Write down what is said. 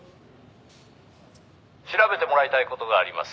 「調べてもらいたい事があります」